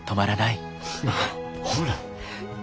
ああほら。